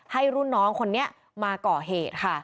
รุ่นน้องคนนี้มาก่อเหตุค่ะ